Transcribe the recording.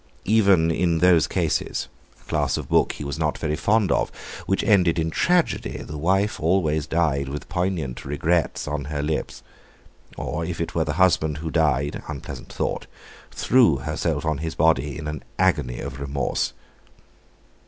Even in those cases—a class of book he was not very fond of—which ended in tragedy, the wife always died with poignant regrets on her lips, or if it were the husband who died—unpleasant thought—threw herself on his body in an agony of remorse.